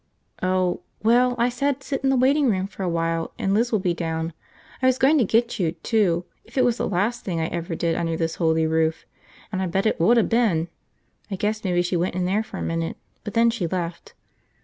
"Oh. Well, I said sit in the waiting room a while and Liz will be down. I was going to get you, too, if it was the last thing I ever did under this holy roof. And I bet it woulda been. I guess maybe she went in there for a minute, but then she left."